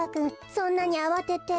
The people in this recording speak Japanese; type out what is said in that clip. そんなにあわてて。